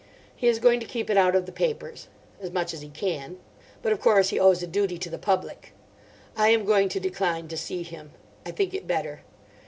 He is going to keep it out of the papers. As much as he can. But of course he owes a duty to the public. I am going to decline to see him. I think it better.